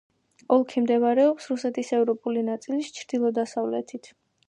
ოლქი მდებარეობს რუსეთის ევროპული ნაწილის ჩრდილო-დასავლეთით.